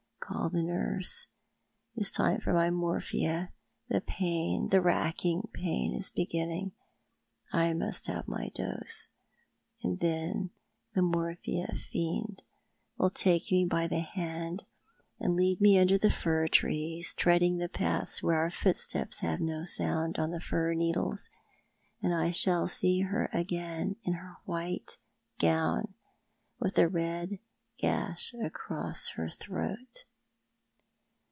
Call the nurse. It is time for my morphia. The pain— the racking pain — is beginning. I must have my dose. And then the morphia fiend will take me by ;^^6 Thou art the Mait, the hand and lead me tinder the fir trees, treading the paths where onr footsteps have no sound on the fir needles, and I shall see her again in her white gown, with the red gash across her throat."